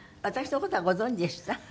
私の事はご存じでした？